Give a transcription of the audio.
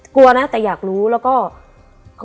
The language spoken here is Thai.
กลัวนะแต่อยากรู้แล้วก็